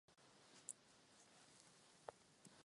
Vítězný přívěsek se stává součástí stálé kolekce.